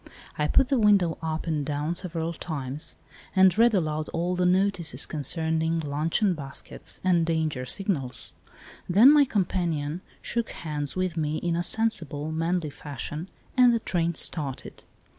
I put the window up and down several times and read aloud all the notices concerning luncheon baskets and danger signals. Then my companion shook hands with me in a sensible, manly fashion, and the train started.